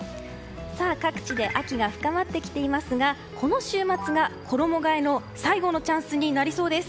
各地で秋が深まってきていますがこの週末が衣替えの最後のチャンスになりそうです。